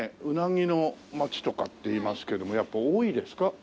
うなぎの街とかっていいますけどやっぱ多いですか？